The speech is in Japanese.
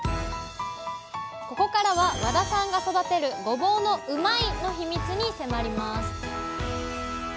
ここからは和田さんが育てるごぼうのうまいッ！のヒミツに迫ります！